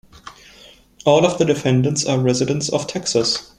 All of the defendants are residents of Texas.